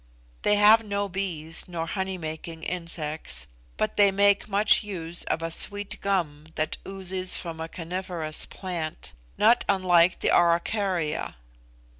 They have no bees nor honey making insects, but they make much use of a sweet gum that oozes from a coniferous plant, not unlike the araucaria.